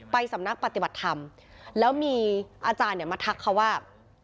สำนักปฏิบัติธรรมแล้วมีอาจารย์เนี่ยมาทักเขาว่า